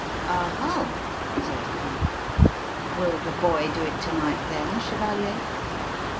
"Oho!" said Cleek. "Will the boy do it to night, then, chevalier?"